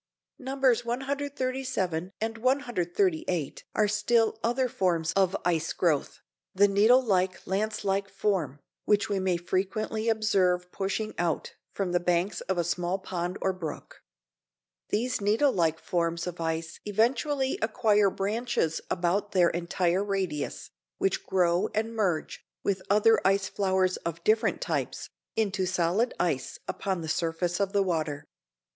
Nos. 137 and 138 are still other forms of ice growth, the needle like, lance like form which we may frequently observe pushing out from the banks of a small pond or brook. These needle like forms of ice eventually acquire branches about their entire radius, which grow and merge, with other ice flowers of different types, into solid ice upon the surface of the water.